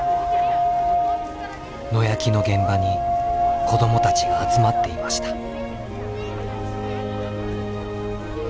野焼きの現場に子供たちが集まっていました。